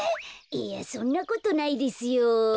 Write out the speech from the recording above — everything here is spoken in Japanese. いやそんなことないですよ。